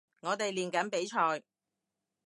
我哋練緊比賽